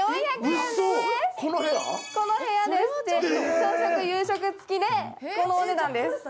朝食・夕食付でこのお値段です。